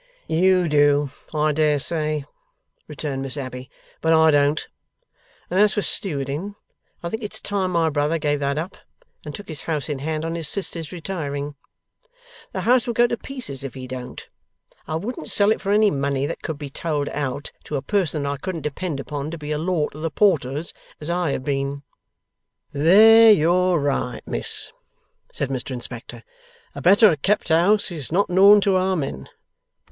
'YOU do, I dare say,' returned Miss Abbey, 'but I don't. And as for stewarding, I think it's time my brother gave that up, and took his House in hand on his sister's retiring. The House will go to pieces if he don't. I wouldn't sell it for any money that could be told out, to a person that I couldn't depend upon to be a Law to the Porters, as I have been.' 'There you're right, Miss,' said Mr Inspector. 'A better kept house is not known to our men.